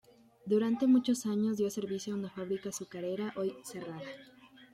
Durante muchos años dio servicio a una fábrica azucarera hoy cerrada.